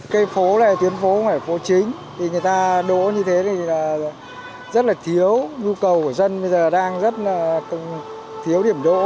cây phố này tuyến phố này phố chính thì người ta đỗ như thế thì là rất là thiếu nhu cầu của dân bây giờ đang rất là thiếu điểm đỗ